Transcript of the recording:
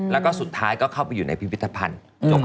แล้วก็สุดท้ายก็เข้าไปอยู่ในพิพิธภัณฑ์จบ